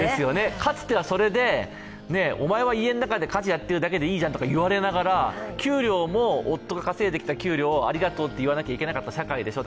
かつてはそれで、お前は家の中で家事やってるだけでいいじゃんといわれながら、給料も夫が稼いできた給料をありがとうと言わなきゃいけなかった社会でしょう。